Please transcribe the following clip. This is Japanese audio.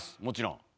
もちろん。